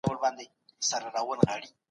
د مخطوبې هدفونه او راتلونکي پلانونه معلومول